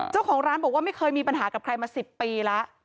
เจ้าของร้านบอกว่าไม่เคยมีปัญหากับใครมา๑๐ปีแล้ว